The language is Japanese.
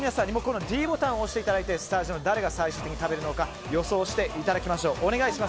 リモコンのｄボタンを押していただいてスタジオの誰が最終的に食べるのか予想していただきましょう。